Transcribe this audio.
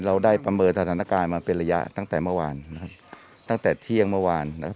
เราได้ประเมินสถานการณ์มาเป็นระยะตั้งแต่เมื่อวานนะครับตั้งแต่เที่ยงเมื่อวานนะครับ